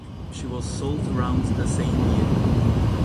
She was sold around the same year.